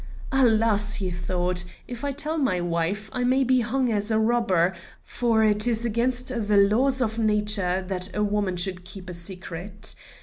Alas! he thought, if I tell my wife, I may be hung as a robber, for it is against the laws of nature for a woman to keep a secret.